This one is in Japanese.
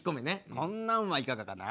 こんなんはいかがかな？